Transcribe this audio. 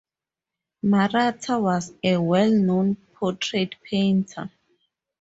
Maratta was a well-known portrait painter.